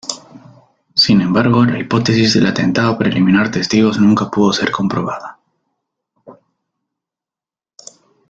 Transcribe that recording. Sin embargo, la hipótesis del atentado para eliminar testigos nunca pudo ser comprobada.